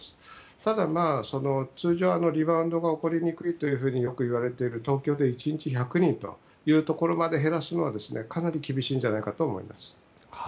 ただ、通常リバウンドが起こりにくいといわれている東京で１日１００人まで減らすのはかなり厳しいんじゃないかと思います。